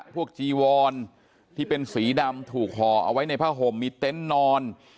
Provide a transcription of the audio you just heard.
พวกจีวรที่เป็นสีดำถูกห่อเอาไว้ในพระโหมมีเต้นนอน